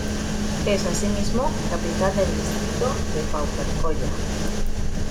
Es asimismo capital del distrito de Paucarcolla.